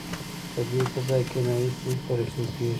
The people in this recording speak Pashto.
په دې فضا کې کیمیاوي توکي ترشح کېږي.